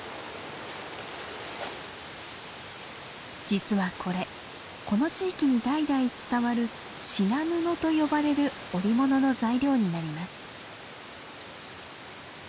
実はこれこの地域に代々伝わる「しな布」と呼ばれる織物の材料になります。